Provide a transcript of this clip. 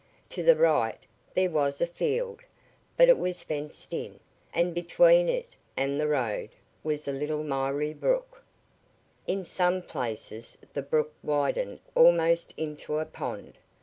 To the right there was a field, but it was fenced in, and between it and the road was a little miry, brook. In some places the brook widened almost into a pond.